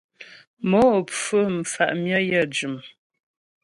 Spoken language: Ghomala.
Mo pfú mfà' myə yə jʉm.